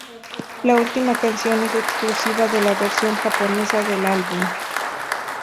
La última canción es exclusiva de la versión japonesa del álbum.